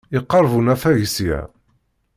Yeqreb unafag seg-a.